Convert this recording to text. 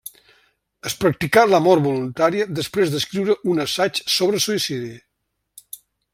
Es practicà la mort voluntària després d'escriure un assaig sobre el suïcidi.